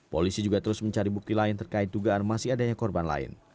polisi juga terus mencari bukti lain terkait dugaan masih adanya korban lain